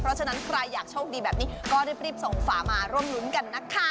เพราะฉะนั้นใครอยากโชคดีแบบนี้ก็รีบส่งฝามาร่วมรุ้นกันนะคะ